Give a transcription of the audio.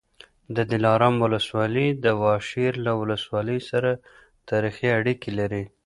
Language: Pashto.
د دلارام ولسوالي د واشېر له ولسوالۍ سره تاریخي اړیکې لري